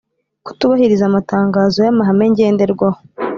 Kutubahiriza amatangazo y amahame ngenderwaho